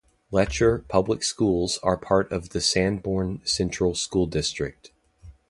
Letcher Public Schools are part of the Sanborn Central School District.